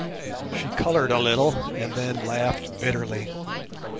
She coloured a little and then laughed bitterly.